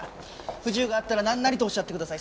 不自由があったらなんなりとおっしゃってください。